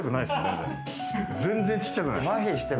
全然ちっちゃくない。